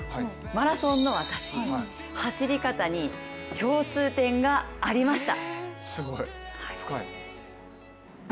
マラソンの私走り方に共通点がありました。